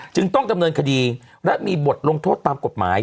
จึงต้องดำเนินคดีและมีบทลงโทษตามกฎหมาย